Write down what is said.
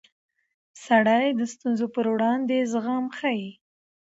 سړی د ستونزو پر وړاندې زغم ښيي